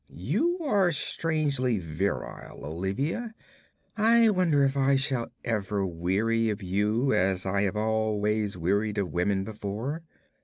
'You are strangely virile, Olivia. I wonder if I shall ever weary of you, as I have always wearied of women before.